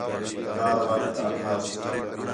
کار والینک آکھاس